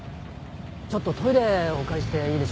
ちょっとトイレお借りしていいでしょうか？